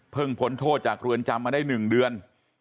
เพิ่งพ้นโทษจากรวรณจำมาได้๑เดือน